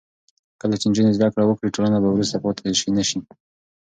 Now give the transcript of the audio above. کله چې نجونې زده کړه وکړي، ټولنه به وروسته پاتې نه شي.